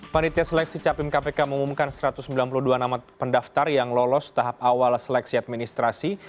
panitia seleksi capim kpk mengumumkan satu ratus sembilan puluh dua nama pendaftar yang lolos tahap awal seleksi administrasi